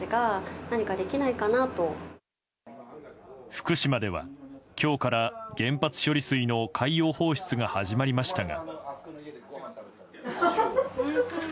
福島では、今日から原発処理水の海洋放出が始まりましたが。